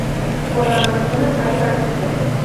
Por la mañana hay vaquillas.